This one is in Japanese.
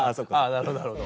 なるほどなるほど。